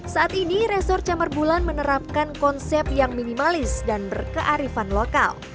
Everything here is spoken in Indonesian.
saat ini resor camar bulan menerapkan konsep yang minimalis dan berkearifan lokal